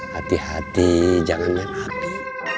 hati hati jangan main hati